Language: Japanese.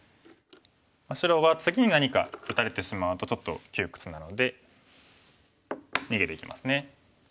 白は次に何か打たれてしまうとちょっと窮屈なので逃げていきますね。